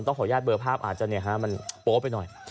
ต้องขออนุญาตเบอร์ภาพอาจจะเนี่ยฮะมันโป๊ะไปหน่อย